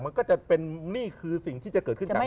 มันก็จะเป็นนี่คือสิ่งที่จะเกิดขึ้นจากนี้